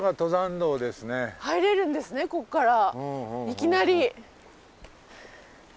いきなり。